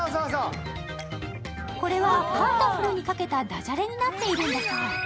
これはＰＡＮＤＡＦＵＬにかけたダジャレになっているんだそ。